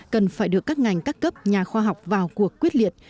cần phải được các ngành các cấp nhà khoa học vào cuộc quyết liệt